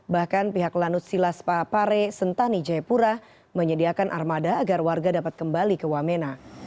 bahkan pihak lanut silas pare sentani jayapura menyediakan armada agar warga dapat kembali ke wamena